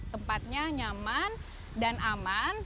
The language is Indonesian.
tempatnya nyaman dan aman